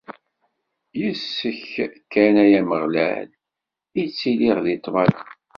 Yis-k kan, ay Ameɣlal, i ttiliɣ di ṭṭmana.